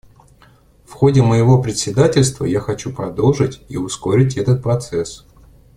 В ходе моего председательства я хочу продолжить — и ускорить — этот процесс.